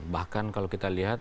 bahkan kalau kita lihat